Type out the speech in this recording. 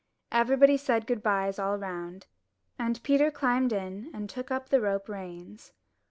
Everybody said good byes all round, and Peter climbed in and took up the rope reins.